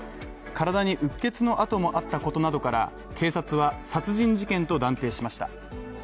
体にうっ血の痕もあったことなどから警察は殺人事件と断定しました。